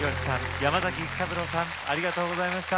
山崎育三郎さんありがとうございました。